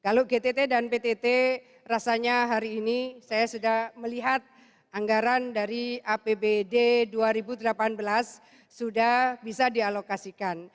kalau gtt dan ptt rasanya hari ini saya sudah melihat anggaran dari apbd dua ribu delapan belas sudah bisa dialokasikan